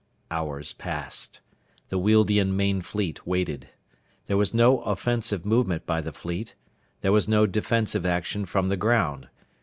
Hours passed. The Wealdian main fleet waited. There was no offensive movement by the fleet. There was no defensive action from the ground.